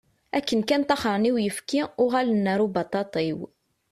Akken kan taxṛen i uyefki, uɣalen ar ubaṭaṭiw.